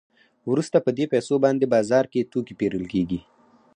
وروسته په دې پیسو باندې بازار کې توکي پېرل کېږي